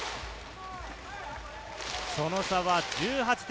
その差は１８点。